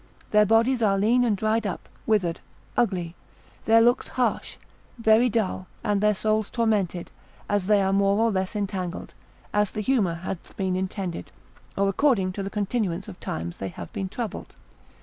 Their bodies are lean and dried up, withered, ugly, their looks harsh, very dull, and their souls tormented, as they are more or less entangled, as the humour hath been intended, or according to the continuance of time they have been troubled.